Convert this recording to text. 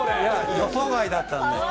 予想外だったんで。